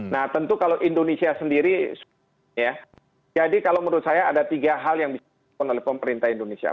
nah tentu kalau indonesia sendiri ya jadi kalau menurut saya ada tiga hal yang bisa dilakukan oleh pemerintah indonesia